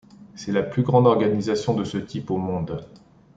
C'est la plus grande organisation de ce type au monde.